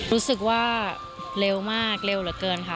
รู้สึกว่าเร็วมากเร็วเหลือเกินค่ะ